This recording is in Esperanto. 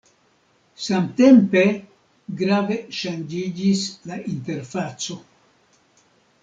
Samtempe grave ŝanĝiĝis la interfaco.